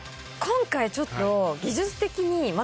今回ちょっと。